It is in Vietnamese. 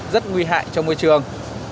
rất nguy hại cho môi trường